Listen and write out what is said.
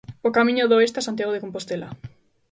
O Camiño do Oeste a Santiago de Compostela.